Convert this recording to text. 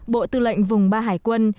bộ tư lệnh vùng ba hải quân